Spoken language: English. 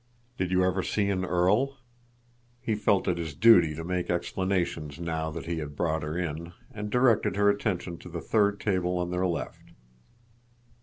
Did you ever see an earl?" He felt it his duty to make explanations now that he had brought her in, and directed her attention to the third table on their left.